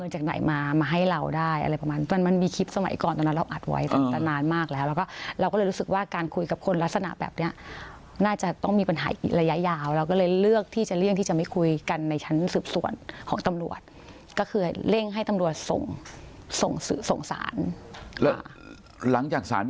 จะให้เงินจากไหนมามาบอกเลย